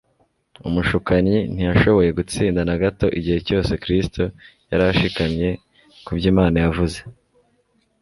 Umushukanyi ntiyashoboye gutsinda na gato igihe cyose Kristo yari ashikamye ku byo Imana yavuze.